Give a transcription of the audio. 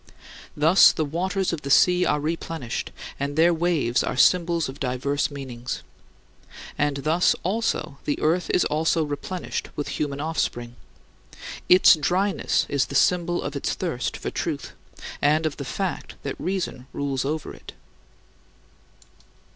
Thus the waters of the sea are replenished, and their waves are symbols of diverse meanings. And thus also the earth is also replenished with human offspring. Its dryness is the symbol of its thirst for truth, and of the fact that reason rules over it.